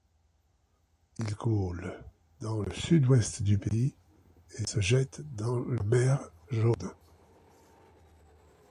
Il coule dans le sud-ouest du pays et se jette dans la Mer Jaune.